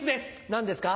何ですか？